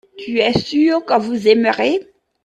tu es sûr que vous aimerez.